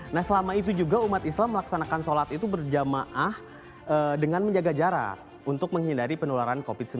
nah selama itu juga umat islam melaksanakan sholat itu berjamaah dengan menjaga jarak untuk menghindari penularan covid sembilan belas